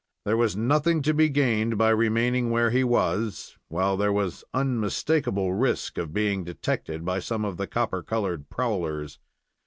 There was nothing to be gained by remaining where he was, while there was unmistakable risk of being detected by some of the copper colored prowlers.